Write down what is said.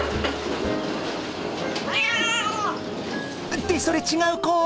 ってそれ違う子！